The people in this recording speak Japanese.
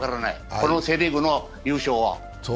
このセ・リーグの優勝は。